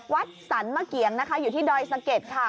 วัดสรรมะเกียงนะคะอยู่ที่ดอยสะเก็ดค่ะ